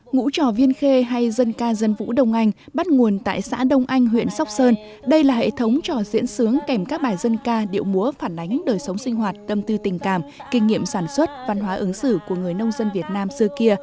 ngũ trò viên khê hay dân ca dân vũ đông anh bắt nguồn tại xã đông anh huyện sóc sơn đây là hệ thống trò diễn sướng kèm các bài dân ca điệu múa phản ánh đời sống sinh hoạt tâm tư tình cảm kinh nghiệm sản xuất văn hóa ứng xử của người nông dân việt nam xưa kia